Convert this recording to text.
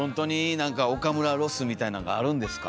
何か岡村ロスみたいなんがあるんですか？